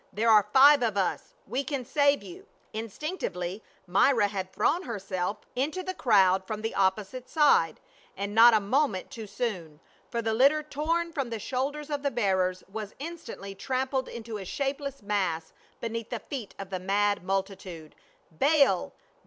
There are five of us — we can save you." Instinctively Myra had thrown herself into the A FORBIDDEN VISIT. 87 crowd from the opposite side, and not a moment too soon, for the Httcr torn from the shoulders of the bearers was instantly trampled into a shapeless mass beneath the feet of the mad multitude. " Baal